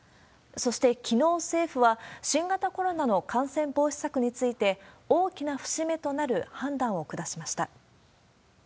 そして、きのう政府は、新型コロナの感染防止策について、大きな節目となる判断を下しました。